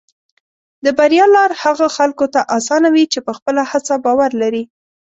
د بریا لار هغه خلکو ته اسانه وي چې په خپله هڅه باور لري.